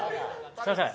すいません